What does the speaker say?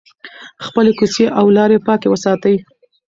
خپلې کوڅې او لارې پاکې وساتئ.